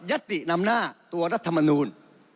ยัตตินำหน้าตัวรัฐมนุน